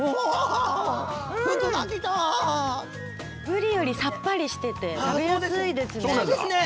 ブリよりさっぱりしてて食べやすいですね。